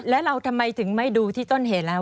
แล้วเราทำไมถึงไม่ดูที่ต้นเหตุแล้ว